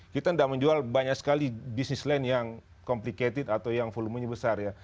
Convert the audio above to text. kita tidak menjual banyak sekali bisnis lain yang complicated atau yang volumenya besar ya